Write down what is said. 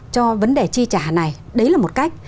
cho vấn đề chi trả này đấy là một cách